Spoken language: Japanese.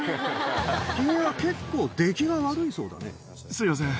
君は結構、出来が悪いそうだすみません。